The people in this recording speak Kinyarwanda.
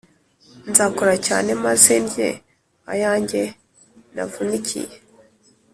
Nzakora cyane maze ndye ayange navunikiye